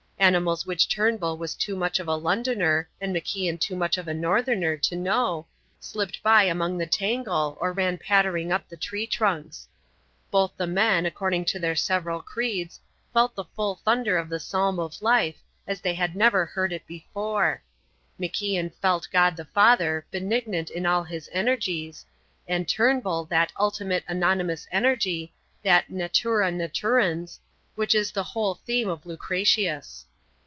Animals which Turnbull was too much of a Londoner and MacIan too much of a Northerner to know, slipped by among the tangle or ran pattering up the tree trunks. Both the men, according to their several creeds, felt the full thunder of the psalm of life as they had never heard it before; MacIan felt God the Father, benignant in all His energies, and Turnbull that ultimate anonymous energy, that Natura Naturans, which is the whole theme of Lucretius.